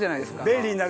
便利になるしね。